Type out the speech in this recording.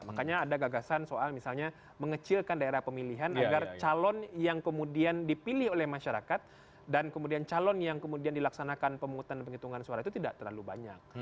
makanya ada gagasan soal misalnya mengecilkan daerah pemilihan agar calon yang kemudian dipilih oleh masyarakat dan kemudian calon yang kemudian dilaksanakan pemungutan dan penghitungan suara itu tidak terlalu banyak